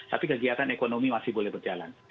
tapi kegiatan ekonomi masih boleh berjalan